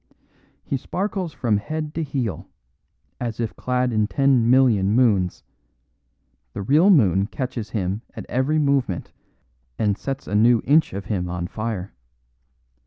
He sparkles from head to heel, as if clad in ten million moons; the real moon catches him at every movement and sets a new inch of him on fire.